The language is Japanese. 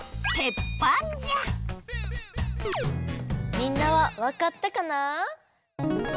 みんなはわかったかな？